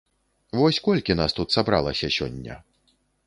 Вось колькі нас тут сабралася сёння?